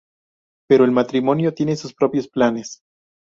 Pero el matrimonio tiene sus propios planes.